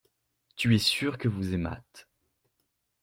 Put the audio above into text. Tu es sûr que vous aimâtes.